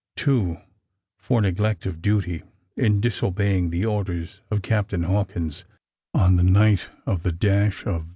2. For neglect of duty, in disobeying the orders of Captain Hawkins, on the night of the of